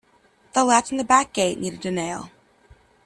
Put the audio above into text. The latch on the back gate needed a nail.